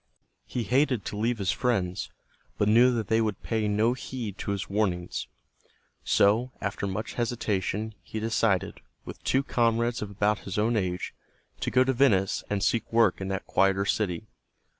He hated to leave his friends, but knew that they would pay no heed to his warnings. So, after much hesitation, he decided, with two comrades of about his own age, to go to Venice and seek work in that quieter city.